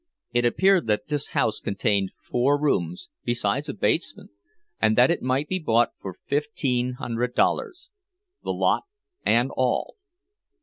It appeared that this house contained four rooms, besides a basement, and that it might be bought for fifteen hundred dollars, the lot and all.